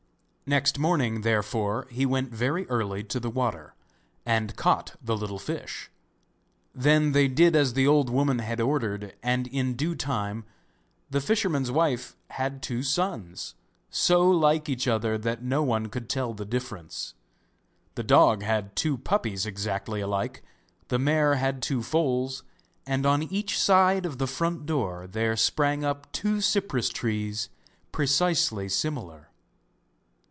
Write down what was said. Next morning, therefore, he went very early to the water, and caught the little fish. Then they did as the old woman had ordered, and in due time the fisherman's wife had two sons, so like each other that no one could tell the difference. The dog had two puppies exactly alike, the mare had two foals, and on each side of the front door there sprang up two cypress trees precisely similar.